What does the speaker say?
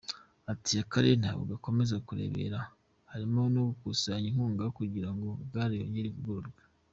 Ati“Akarere ntabwo kakomeza kurebera harimo gukusanya inkunga kugira ngo gare yongere ivugururwe.